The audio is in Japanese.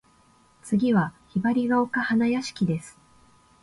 次は雲雀丘花屋敷（ひばりがおかはなやしき）です。